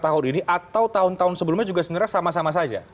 tahun ini atau tahun tahun sebelumnya juga sebenarnya sama sama saja